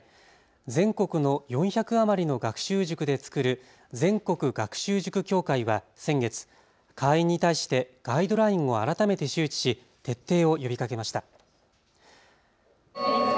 全国の４００余りの学習塾で作る全国学習塾協会は先月、会員に対してガイドラインを改めて周知し徹底を呼びかけました。